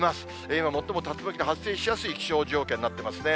今、最も竜巻の発生しやすい気象条件になってますね。